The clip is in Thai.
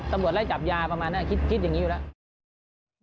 ตำรวจไล่จับยาประมาณนี้คิดอย่างนี้อยู่แล้ว